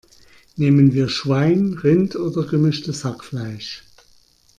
Nehmen wir Schwein, Rind oder gemischtes Hackfleisch?